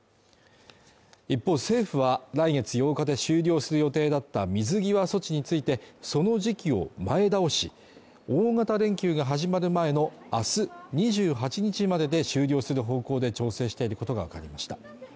一方政府は来月８日で終了する予定だった水際措置について、その時期を前倒し大型連休が始まる前の明日２８日までで終了する方向で調整していることがわかりました。